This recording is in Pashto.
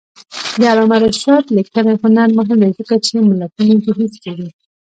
د علامه رشاد لیکنی هنر مهم دی ځکه چې ملتونو ظهور څېړي.